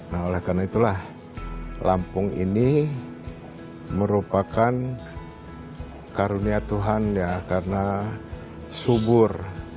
nah oleh karena itulah lampung ini merupakan karunia tuhan ya karena subur